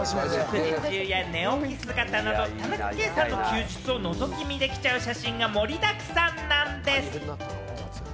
食事中や寝起き姿など、田中圭さんの休日をのぞき見できちゃう写真が盛りだくさんなんです。